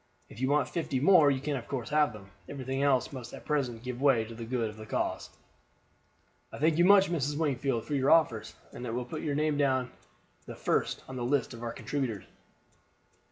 If you want fifty more you can of course have them. Everything else must at present give way to the good of the cause." "I thank you much, Mrs. Wingfield, for your offers, and will put your name down the first on the list of contributors."